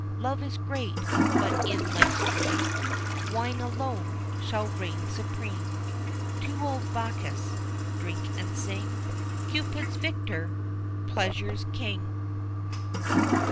Love is great; but in life's dream Wine alone shall reign supreme; To old Bacchus! drink and sing; Cupid's Victor! Pleasure's King!